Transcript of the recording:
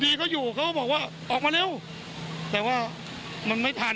เรื่องต้นคาดว่าคงจะต้องฟ้องการไฟฟ้า